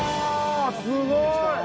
すごい！